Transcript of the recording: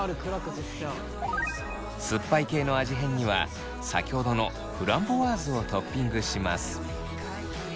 酸っぱい系の味変には先ほどのフランボワーズをトッピングします。